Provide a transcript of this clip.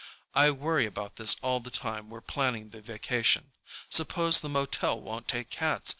I worry about this all the time we're planning the vacation. Suppose the motel won't take cats?